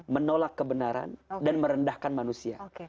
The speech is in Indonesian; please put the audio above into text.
menolak kebenaran dan merendahkan manusia